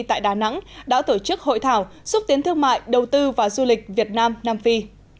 tại đà nẵng đã tổ chức hội thảo xúc tiến thương mại đầu tư và du lịch việt nam nam phi